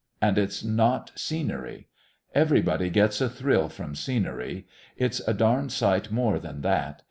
And it's not "scenery." Everybody gets a thrill from "scenery." It's a darned sight more than that.